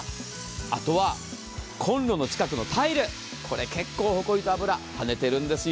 あとはコンロの近くのタイル、けれ結構埃と油、はねてるんですよ。